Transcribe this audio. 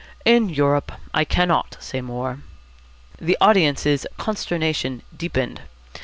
"In Europe. I cannot say more." The audience's consternation deepened.